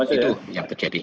itu yang terjadi